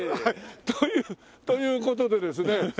というという事でですね